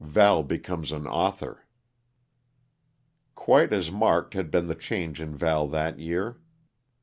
VAL BECOMES AN AUTHOR Quite as marked had been the change in Val that year.